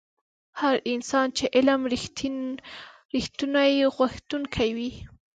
هغه انسان چې علم رښتونی غوښتونکی وي.